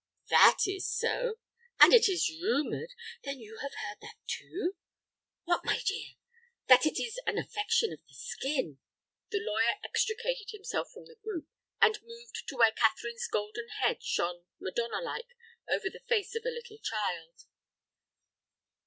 "That is so." "And it is rumored—" "Then you have heard that too?" "What, my dear?" "That it is an affection of the skin." The lawyer extricated himself from the group, and moved to where Catherine's golden head shone Madonna like over the face of a little child.